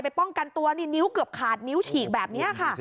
ป้องกันตัวนี่นิ้วเกือบขาดนิ้วฉีกแบบนี้ค่ะ